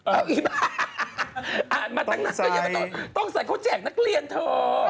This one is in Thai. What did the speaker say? เอออาจมาทั้งนักเรียนต้องใส่เขาแจกนักเรียนเถอะ